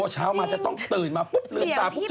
เช้ามาจะต้องตื่นมาวืนตาปุ๊บเขา